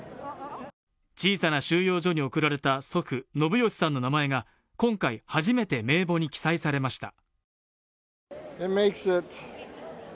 小さな収容所に送られた祖父ノブヨシさんの名前が今回初めて名簿に記載されました。